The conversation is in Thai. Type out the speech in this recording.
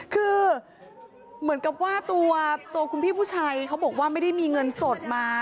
คือเหมือนกับว่าตัวคุณพี่ผู้ชายเขาบอกว่าไม่ได้มีเงินสดมา